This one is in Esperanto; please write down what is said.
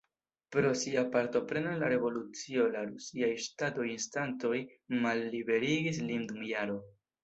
Pro sia partopreno en la revolucio la rusiaj ŝtataj instancoj malliberigis lin dum jaro.